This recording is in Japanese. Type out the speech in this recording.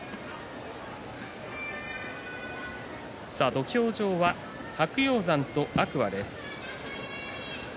土俵上は白鷹山と天空海です。